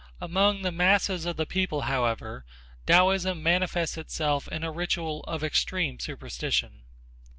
Among the masses of the people, however, Taoism manifests itself in a ritual of extreme superstition.